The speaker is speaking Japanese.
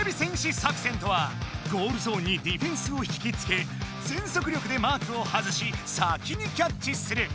作戦とはゴールゾーンにディフェンスを引きつけぜんそく力でマークを外し先にキャッチする。